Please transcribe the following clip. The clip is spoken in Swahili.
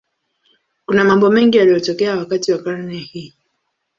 Kuna mambo mengi yaliyotokea wakati wa karne hii.